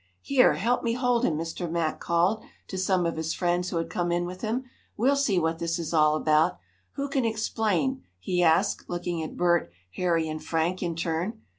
"Here, help me hold him!" Mr. Mack called to some of his friends who had come in with him. "We'll see what this is all about. Who can explain?" he asked, looking at Bert, Harry and Frank, in turn.